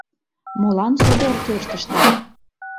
Молан содор тӧрштышда?